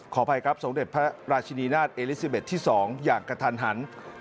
ขออภัยครับสมเด็จพระราชินีนาฏเอลิซิเบสที่๒อย่างกระทันหัน